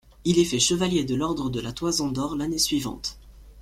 Il est fait chevalier de l'ordre de la Toison d'or l'année suivante.